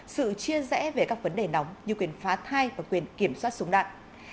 sự chia rẽ về các vấn đề nóng như quyền phá thai và quyền kiểm soát súng đạn